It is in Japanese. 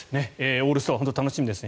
オールスターは本当に楽しみですね。